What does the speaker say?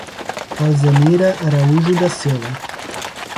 Alzenira Araújo da Silva